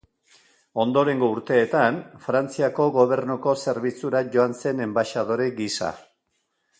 Ondorengo urteetan, Frantziako Gobernuko zerbitzura joan zen enbaxadore gisa.